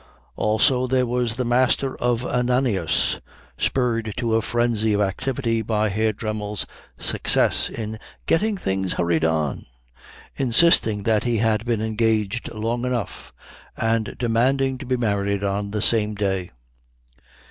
Also there was the Master of Ananias, spurred to a frenzy of activity by Herr Dremmel's success in getting things hurried on, insisting that he had been engaged long enough and demanding to be married on the same day.